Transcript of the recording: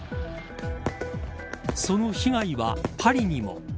その被害はパリにも。